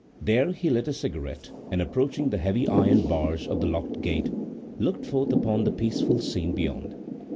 There he lit a cigarette, and approaching the heavy iron bars of the locked gate, looked forth upon the peaceful scene beyond.